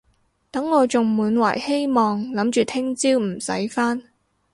等我仲滿懷希望諗住聽朝唔使返